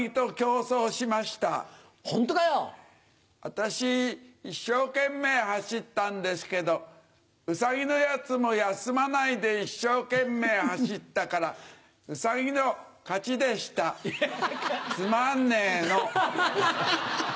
私一生懸命走ったんですけどウサギのやつも休まないで一生懸命走ったからウサギの勝ちでしたつまんねえの！ハハハ！